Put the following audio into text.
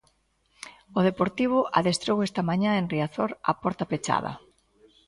O Deportivo adestrou esta mañá en Riazor a porta pechada.